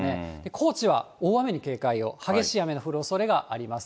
高知は大雨に警戒を、激しい雨の降るおそれがあります。